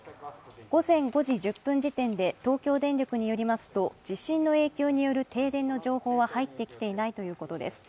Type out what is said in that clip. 午前５時１０分時点で東京電力によりますと地震の影響による停電の情報は入ってきていないということです。